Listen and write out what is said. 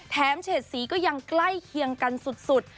เฉดสีก็ยังใกล้เคียงกันสุด